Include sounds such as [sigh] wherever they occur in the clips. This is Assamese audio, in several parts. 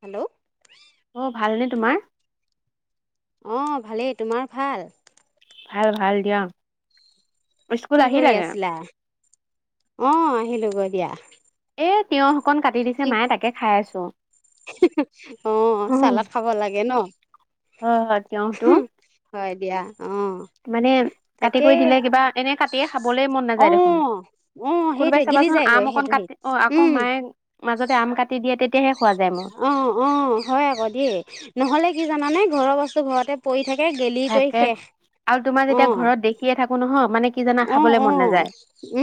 হেল্ল' অ ভালনে তোমাৰ অঁ ভালেই তোমাৰ ভাল ভাল ভাল দিয়া কি কৰি আছিলা আহ আহিলো গ দিয়া এই তিয়ৰ শকন কাটি দিছে মায়ে তাকে খাই আছো অ চালাাদ খাব লাগে ন হয় দিয়া মানে কাটি কৰি দিলে কিবা এনে কাটিয়ে খাবলৈ মন নাযায় দেখোন কোনোবাই চাবাচোন আম অকণ কাটি অ আকৌ মায়ে মাজতে আম কাটি দিয়ে তেতিয়া অ অ হয় আকৌ দেই নহলে কি জানানে ঘৰৰ বস্তু ঘৰতে পৰি থাক থাকে আৰু তোমাৰ যেতিয়া ঘৰত দেখিয়ে থাকো নহয় মানে কিজানা খাবলৈ মন নাযায়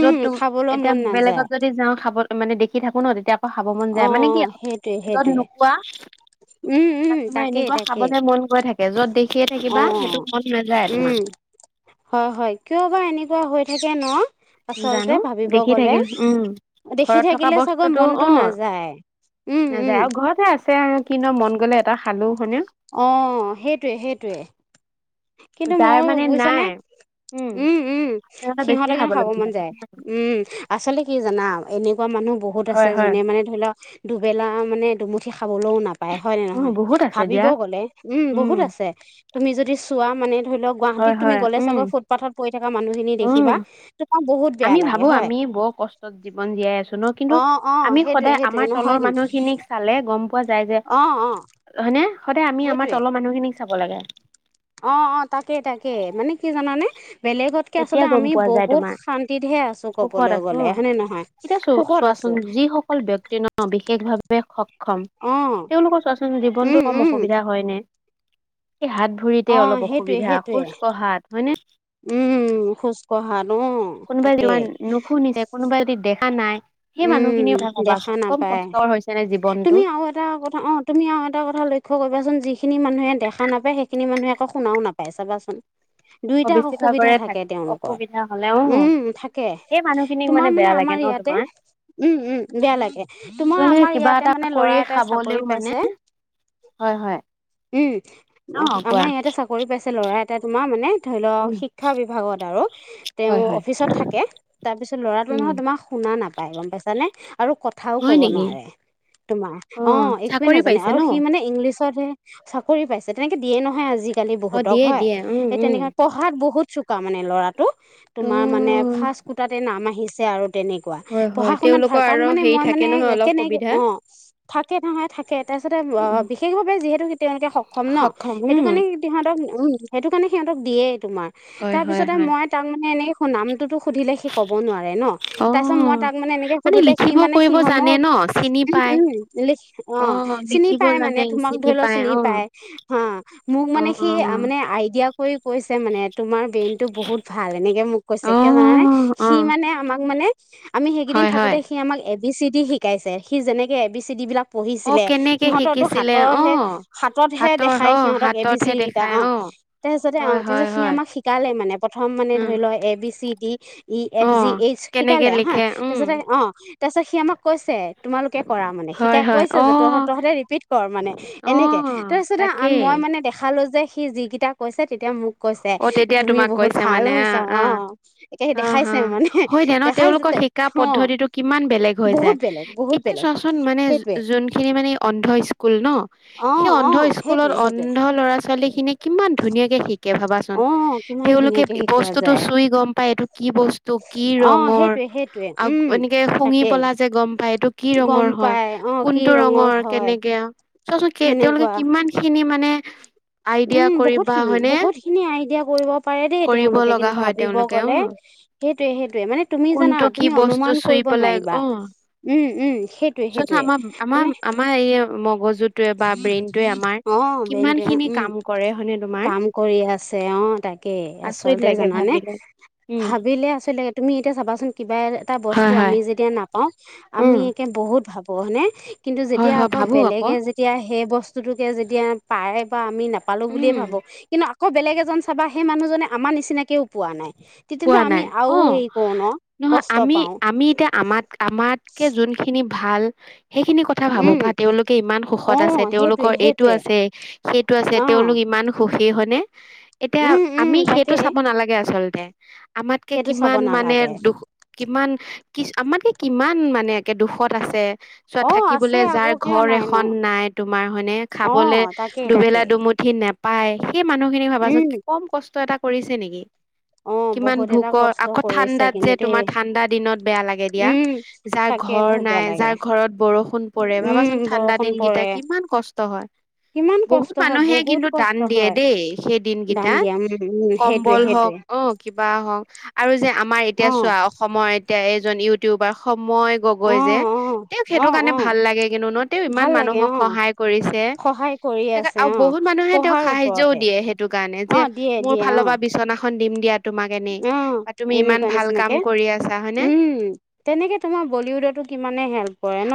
যত তুম এতিয়া বেলেগত যদি যাওঁ খাব মানে দেখি থাকো ন তেতিয়া আকৌ খাব মন যায় মানে কি আৰু যত নোোকোৱা তাত তোমাৰ এনেকুৱা খাবলে মন গৈ থাকে য'ত দেখি অ উম হয় হয় কিয় বা এনেকুৱা হৈ থাকে ন আচলতে ভাবিব গলে দেখি থাকিলে চাগৈ মনতটো নাযায় নাযায় আৰু ঘৰতে আছে আৰু কিনো মন গ'লে এটা অ সেইটয়ে সেইটয়ে কিন্তু মই বুজিছানে উম-উম সিহঁতে কিন্তু খাব মন যায় উম আচলতে কি জানাম এনেকুৱা মানুহ বহুত আছে যোনে মানে ধৰি লওক দুবেলা মানে দুমুঠি খাবলৈও নাপায় পাই হয় ন নহয় ভাবিব গলে উম বহুত আছে তুমি যদি চোৱা মানে ধ লক গাহীত তুি গলে ছাগৰ ফুটপথত [unintelligible] উম আমি ভাবো আমি বৰ কষ্টত জীৱন জীয়াই আছো ন কিন্তু আমি সদায় আমাৰ তলৰ মানুহ খিনিক চালে গম পোৱা যায় যে হয়নেে সদায় আমি আমাৰ তলৰ মানুহখিনিক চাব লাগে অ-অ তাকে-তাকে মানে কি জানানে বেলেগতকে আচলতে আমি বহুত শান্তিতহে আছো কবলৈ গ'লে হনে নহয় সুখত আছো যিসকল ব্ক্তি ন বিশেষ ভাৱে সক্ষম তেওঁলোকৰ চোৱাচ জীৱনটোো কম অসুবি সুবিধা হয় নে এই হাত ভৰিতে অলপ অসুবিধা শুজ কঢ়াত হয়নে উম খোজ কঢ়া ন তাকেই উম দেখা নাপায় তুমি আৰু এটা কথা অ তুমি আৰু এটা কথা ল্্য কৰিবাচোন যিখিনি মানুহে দেখা নাপায় সেইখিনি মানুহে একো শুনাও নাপায় চাবাচোন দুইটা অসুবিধা থাকে তেওঁলোকৰ উম থাকে তোমাৰ মানে লাগে ন তোমাৰ উম-উম বেয়া লাগে তোমাৰ আমাৰ ইয়াতে মানে ল'ৰা এটাই চাকৰি পাইছে উম আমাৰ ইয়াতে চাকৰি পাইছে ল'ৰা এটা তোমাৰ মানে ধৰি লওক শিক্ষা বিভাগত আৰু তেওঁ অফিচত থাকে তাৰপিছত ল'ৰাটো নহয় তোমাক শুনা নাপায় তাই গম পাইছা নে আৰু কথাও ক'ব নোৱাৰে তোমাৰ অ একোৱে নাজানে আৰু সি মানে ইংলিছ পছতহে চাকৰি পাইছে তেনেকে দিয়ে নহয় আজিকালি বহুতক হয় এই তেনেকা ত পঢ়াত বহুত চোকা মানে ল'ৰাটো তোমাৰ মানে ফাৰ্ষ্ট কুটাতে নাম আহিছে আৰু তেনেকুৱা পঢ়া শুনাত ভাল তাক মানে মই মানে কেনেকে অ থাকে নহয় থাকে তাৰছতে অ বিশেষভাৱে যিহেতু তেওঁলোকে সক্ষম ন সেইটো কাৰণে সিহঁতক উম সেইটো কাৰণে সিহঁতক দিয়েই তোমাৰ তাৰপিছতে মই তাক মানে এনেকে নামটোতো সুধিলে সি ক'ব নোৱাৰে ন তাৰপিছত মই তাক মানে এনেকে সুধোতে সি মানে সি সম উম উম লিখ অ চিনি পাই মানে তোমাক ধৰি লও চিনি পায় হা মোক মানে সি মানে আইডিয়া কৰি কৈছে মানে তোমাৰ ব্ৰেইনটো বহুত ভাল এনেকে মোক কৈছে কিয় জানানে সি মানে আমাক মানে আমি সেইকেইদিন থাকোতে সি আমাক এ বি চি ডি শিকাইছে সি যেনেকে এ বি চি ডি বিলাক পঢ়িছিলে সিহঁতো হাতৰহে হাততহে দেখাই সিহঁতক এ বি চি কেইটা অ তাৰপিছতে অ তাৰপিছত সি আমাক শিকালে মানে প্ৰথম মানে ধৰি ল A B C E F G H শিকালে হা তাৰপিছতে অ তাৰপিছত সি আমাক কৈছে তোমালোকে কৰা মানে শিকাই কৈছে যে তহ তহঁতে ৰিপিট কৰ কৰ মানে এনেকে তাৰপিছতে মই মানে দেখালো যে সি যিকেইটা কৈছে তেতিয়া মোক কৈছে তুমি বহুত ভাল হৈছা অ সি দেখাইছে মানে দেখাইছে ত পদ্ধতিটো কিমান বেলেগ হৈ যায় এতিয়া চোৱাচোন মানে যোনখিনি মানে অন্ধ স্কুল ন সেই অন্ধ স্কুলত অন্ধ ল'ৰা ছোৱালী খিনি কিমান ধুনীয়াকে শিক ভাবাচোন তেওঁলোকে বস্তুটো চুই গম পায় এইটো কি বস্তু কি ৰঙৰ আ এনেকে শুঙি পলা যে গম পায় এইটো কি ৰঙৰ হয় কোনটো ৰঙৰ কেনেকে চোৱাচোন তেওঁলোকে কিমান খিনি মানে উম বহুত খিনি বহুত খিনি আইডিয়া পাৰে দেই তেওঁলোকে কিন্তু ভাবিব গ'লে সেইটোয়ে সেইটোয়ে মানে তুমি জানা তুমি অনুমান কৰিব পলাই অ চোৱাচো আমাৰ আমাৰ আমাৰ এই মগজুত টোৱে বা ব্ৰেইনটোৱে আমাৰ কিমান খিনি কাম কৰে হয়নে তোমাৰ আচলতে জানানে ভাবিলে আচৰিত তুমি এতিয়া চাবাচোন কিবা এটা বস্তু আমি যেতিয়া নাপাওঁ আমি একে বহুত ভাবো হয় নে কিন্তু যেতিয়া আকৌ বেলেগে যে এতিয়া সেই বস্তুটোকে যেতিয়া পায় বা আমি নাপালো বুলিয়ে ভাবো কিন্তু আ আকৌ বেলেগ এজন চাবা সেই মানুহজনে আমাৰ নিচিনাকেও পোৱা নাই পোৱা নাই অ নহয় আমি আমি এতিয়া আমাত আমাতকে যোনখিনি ভাল সেইখিনি কথা ভাবো বা তেওঁলোকে ইমান সুখত আছে তেওঁলোকৰ এইটো আছে সেইটো আছে তেওঁলোক ইমান সুখ সেই হয়নে এতিয়া আমি সেইটো চাব নালাগে আচলতে আমাতকে কিমান মানে দুখ কিমান কি আমাৰ কি কিমান মানে একে দুখত আছে চোৱা থাকি বলে যাৰ ঘৰ এখন নাই তোমাৰ হয় নে খাবলে দুবেলা দুমুঠি নেপ পাই সেই মানুহখিনিক ভাবাচোন কম কষ্ট এটা কৰিছে নিকি কিমান ভোকৰ আকৌ ঠাণ্ডাত যে তোমাৰ ঠাণ্ডা দিনত বেয়া লাগে দিয়া যাৰ ঘৰ ৰ নাই যাৰ ঘৰত বৰষুণ পৰে ভাবাচোন ঠাণ্ডা দিনকেইটা কিমান কষ্ট হয় বহুত মানুহে কিন্তু দান দিয়ে দেই সেই দিন কেইটাত কম্বল হওক অ কিবা হওঁ আৰু যে আমাৰ এতিয়া চোৱা অসমৰ এতিয়া এইজন ইউটিউবাৰ সমৰ মই গগৈ যে তেওঁক সেইটো কাৰণে ভাল লাগে কিন্তু ন তেওঁ ইমান মানুহক সহায় কৰিছে সেইকাৰ আৰু বহুত মানুহে তেওঁক সাহায্যও দিয়ে সেইটো কাৰণে যে মোৰ ফালৰ পৰা বিচনাখন দিম তোমাক এনেই বা তুমি ইমান ভাল কাম কৰি আছা হয়নে।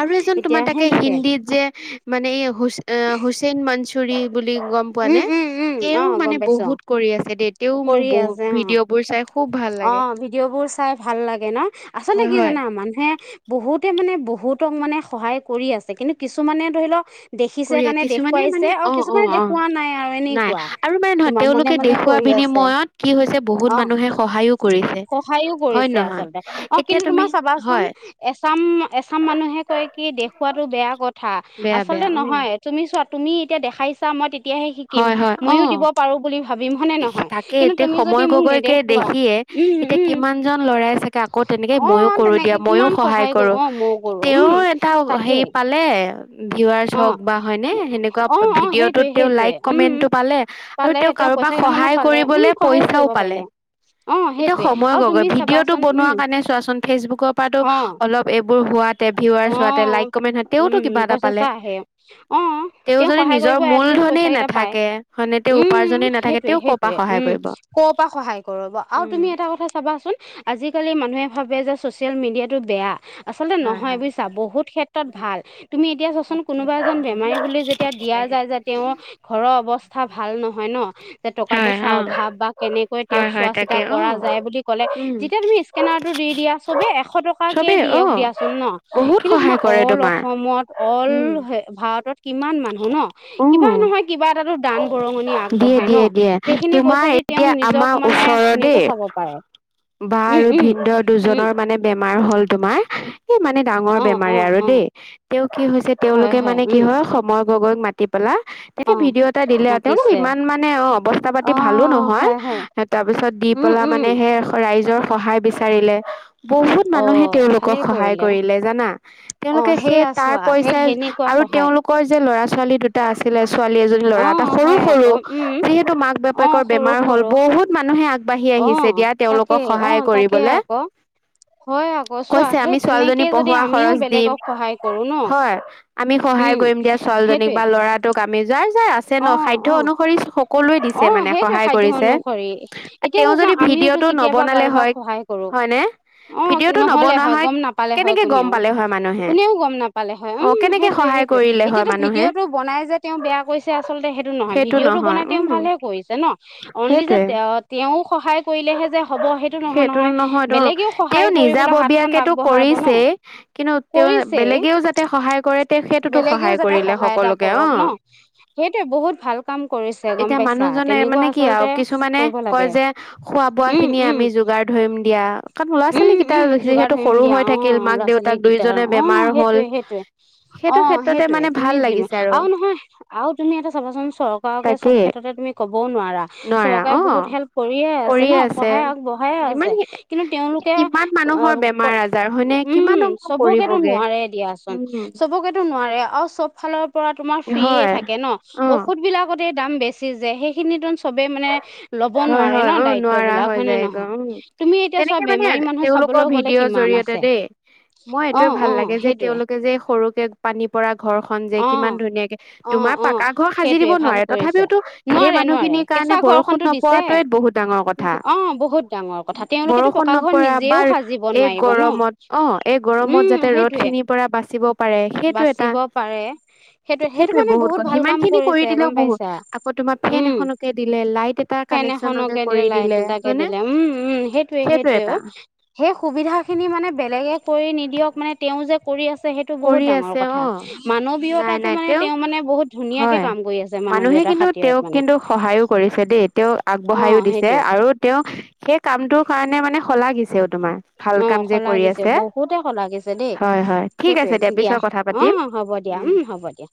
আৰু এজন তোমাৰ তাকে হিন্দীত যে মানে এই হ হুছেইন মান। চুৰি বুলি গম পোৱা নে তেওঁ মানে বহুত কৰি আছে দেই তেওঁ মোৰ বহুত। অ ভিডিঅ' বোৰ চাই ভাল লাগে নহ আচলতে কি জানা মানুহে। বহুতে মানে বহুতক মানে সহায় কৰি আছে কিন্তু কিছুমানে ধৰি লওঁক। দেখিছে কাৰণে দেখুৱাইছে আৰু কিছুমানে দেখুওৱা নাই আৰু এনেকুৱা তোমাৰ মনে মনে। [unintelligible] অ সহায়ো কৰিছে আচলতে অ কিন্তু তোমাৰ। চাবাচোন এচাম এচাম মানুহে কয় কি। খোৱাতো বেয়া কথা আচলতে নহয় তুমি চোৱা তুমি এতিয়া দেখাইছা মই দেখি। তেতিয়াহে শিকিম মইও দিব পাৰোঁ বুলি ভাবিম। তাকে এতিয়া সময় গগৈকে দেখিয়ে এতিয়া কিমান জন লৰাই চাগে আকৌ তেনেকে। মইও কৰোঁ দিয়া মইও সহায় কৰোঁ তেওঁ এটা হেৰি পালে। [unintelligible] চাওঁক বা হয়নে সেনেকুৱা ভিডিঅটোত তেওঁ লাইক কমেণ্টটো পালে আৰু তেওঁ কাৰোবাক। বাক সহায় কৰিবলৈ পইচাও পালে। এতিয়া সময় গগৈ ভিডিঅ'টো বনোৱা কাৰণে চোৱাচোন ফেচবুকৰ পৰাটো অলপ। বোৰ হোৱাত। ভিউৰাচ হোৱাতে লাইক কমেন্ট হয় তেওঁটো কিবা এটা পালে তেওঁ যদি নিজৰ মূল। ধনে নাথাকে হয়নে তেওঁ উপাৰ্জন। উম সেইটোয়ে সেইটোয়ে উম কৰ' পৰা সহায় কৰিব আৰু তুমি এটা কথা চাবাচোন আজিকালি মানুহে। ভাবে যে ছচিয়েল মিডিয়াটো বেয়া আচলতে নহয় বুজ। চা বহুত ক্ষেত্ৰত ভাল তুমি এতিয়া চাচোন কোনোবা এজন বেমাৰী বুলি যেতিয়া দিয়া যায় যে তেওঁ। ঘৰৰ অৱস্থা ভাল নহয় নহ। যে টকা পইচাৰ অভাৱ বা কেনেকৈ তেওঁক চোৱা চিতা কৰা যায় বুলি ক'লে যেতিয়া তুমি স্কেনাৰোটো। দি দিয়া চবে এশ টকাকে দিয়ক দিয়াচোন নহ। কিন্তু তোমাৰ অল অসমত অল হ ভাৰতত। কিমান মানুহ ন কিবা নহয় কিবা এটাটো। দান বৰঙণি আগবঢ়াই নহ সেইখিনি পইচা দি তেওঁ নিজক মানে ধুনীয়াকে চাব পাৰে। বা আৰু ভিনদেউৰ দুজনৰ মানে বেমাৰ হ'ল তোমাৰ। সেই মানে ডাঙৰ বেমাৰে আৰু দেই তেওঁ কি হৈছে তেওঁলোকে মানে কি হয় সময় গগৈক মাতি। পেলা একে ভিডিঅ'ত। দিলে আৰু তেওঁলোক ইমান মানে অ অৱস্থা পাতি ভালো নহয় তাৰপিছত দি পেলা মানে সে। ৰাইজৰ সহায় বিচাৰিলে। বহুত মানুহে তেওলোকক সহায় কৰিলে জানা তেওলোকে সেই তাৰ পইচা আৰু আৰু তেওলোকৰ যে ল'ৰা ছোৱালী দুটা আছিলে ল'ৰা এটা সৰু সৰু যিহেতু মাক বাপেকৰ বেমাৰ হ'ল বহুত মানুহে আগ আগবাঢ়ি আহিছে দিয়া তেওলোকক সহায় কৰিবলৈ। কৈছে আমি ছোৱালীজনী পঢ়োৱা খৰচ দিম হয় আমি সহায় কৰিম দিয়া ছোৱালীজনীক বা ল'ৰাটোক আমি অ - অ - অ সেইটোৱে খাদ্য অনুসৰি এতিয়া আমি আমিওতো কেতিয়াবা কাৰোবাক সহায় কৰো। অ, নহলে হয় গম নাপালে হয় কোনেও- কোনেও গম নাপালে হয়। উম, সেইটোয়ে- সেইটয়ে এতিয়াতো ভিডিঅ' টো বনাই যে তেও বেয়া কৈছে আচলতে সেইটো নহয় ভিডিঅ'টো বনাই তেও ভালহে কৰিছে ন অনলি যে তেও সহায় কৰিলেহে যে হ'ব সেইটো নহয় নহয় বেলেগেও সহায় কৰিবলৈ হাতখন আগবঢ়াব ন। কৰিছে বেলেগেও যাতে সহায় এটা কৰক ন। সেইটে বহুত ভাল কাম কৰিছে গম পাইছা তেনেকুৱা আচলতে কৰিব লাগে। খোৱা বোৱাখিনি আমি যোগাৰ ধৰিম দিয়া। কাৰণ ল'ৰা ছোৱালী কেইটা যিহেতু সৰু হৈ থাকিল মাক দেউতাক দুয়োজনে বেমাৰ হল সেইটো ক্ষেত্ৰতে মানে ভাল লাগিছে আৰু আৰু তুমি এটা চাবাচোন চৰকাৰকে চব ক্ষেত্ৰতে তুমি নোৱাৰা চৰকাৰে বহুত হেল্প কৰিয়ে আছে ন সহায় আগবঢ়াই আছে কিন্তু তেওলোকে অ, উম, চবকেতো নোৱাৰে দিয়াচোন চব। কেতো নোৱাৰে আৰু চব ফালৰ পৰা তোমাৰ ফ্ৰে থাকে ন ঔষধ বিলাকত দাম বেছি যে সেইখিনিত চবে মানে ল'ব নোৱাৰে ন দায়িত্ব বিলাক হনে নহয় তুমি এতিয়া বেমাৰী মানুহ চাবলৈ গ'লে কিমান আছে। মই এইটোয়ে ভাল লাগে যে তেওঁলোকে যে সৰুকে পানী পৰা অ - অ - অ সেইটোৱে ভাল কৰিছে নোৱাৰে নোৱাৰে। কেচা ঘৰনো দিছে। অ, বহুত ডাঙৰ কথা তেওলোকেতো পকা ঘৰ নিজেও সাজিব নোৱাৰিব ন। গৰমত অ এই গৰমত যাতে ৰ'দ খিনিৰ পৰা বাচিব পাৰে সেইটো এটা। সেইটোৱে বহুত ক সিমান খিনি কৰি দিলেও বহুত আকৌ তোমাৰ ফেন এখনকে দিলে লাইট এটা- ফেন এখনকে দিলে লাইট এটাকে দিলে। উম- উম সেইটয়ে সেইটয়ে অ, সেই সুবিধা খিনি মানে বেলেগে কৰি নিদিয়ক মানে তেও যে কৰি আছে সেইটো বহুত ডাঙৰ কথা। মানৱীয়তাটো মানে তেওঁ মানে বহুত ধুনীয়াকে কাম কৰি আছে মানৱীয়তা খাতিৰত মানে। কৰিছে দেই তেও আগবঢ়াইো দিছে আৰু তেও শেষ কামটোৰ কাৰণে মানে শলাগিছে তোমাৰ। অ, শলা গিছে বহুতে শলা গিছে দেই। সেইটোৱে দিয়া অ, হ'ব দিয়া উম, হ'ব দিয়া।